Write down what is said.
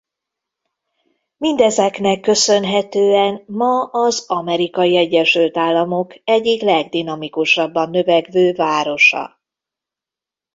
Mindezeknek köszönhetően ma az Amerikai Egyesült Államok egyik legdinamikusabban növekvő városa.